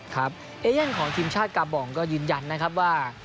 เอเย่นของทีมชาติกาบองก็ยืนยันนะครับว่า